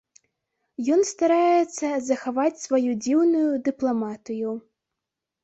Ён стараецца захаваць сваю дзіўную дыпламатыю.